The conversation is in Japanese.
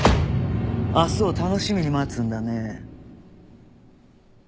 明日を楽しみに待つんだね。